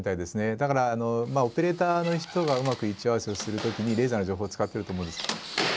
だからオペレーターの人がうまく位置合わせをする時にレーザーの情報使ってると思うんです。